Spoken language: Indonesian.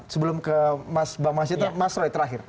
sebelum ke mas mbak masyidah mas roy terakhir